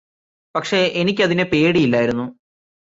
പക്ഷെ എനിക്കതിനെ പേടിയില്ലായിരുന്നു